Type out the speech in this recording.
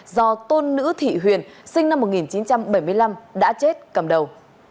do tôn nữ thị huyền sinh năm một nghìn chín trăm bảy mươi năm đã chết cầm đầu